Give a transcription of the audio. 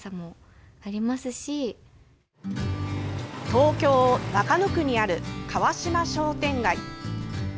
東京・中野区にある川島商店街。